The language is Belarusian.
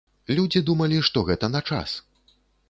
Людзі думалі, што гэта на час.